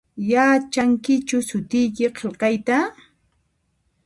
Yachankichu sutiyki qilqayta?